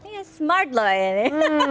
iya smart loh ini